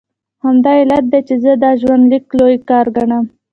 همدا علت دی چې زه دا ژوندلیک لوی کار ګڼم.